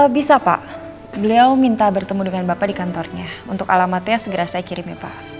bisa pak beliau minta bertemu dengan bapak di kantornya untuk alamatnya segera saya kirim ya pak